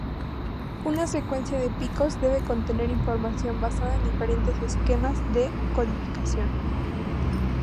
Una secuencia de picos debe contener información basada en diferentes esquemas de codificación.